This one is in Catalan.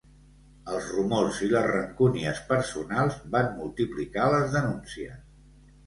Els rumors i les rancúnies personals van multiplicar les denúncies.